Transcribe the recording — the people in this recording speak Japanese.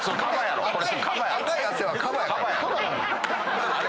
赤い汗はカバやから。